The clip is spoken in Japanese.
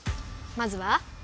まずは。